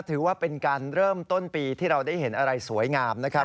ถือว่าเป็นการเริ่มต้นปีที่เราได้เห็นอะไรสวยงามนะครับ